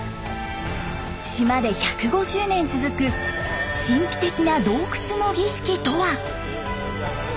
島で１５０年続く神秘的な洞窟の儀式とは？